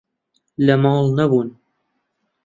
لە ماڵ نەبوون.